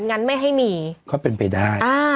งั้นไม่ให้มีก็เป็นไปได้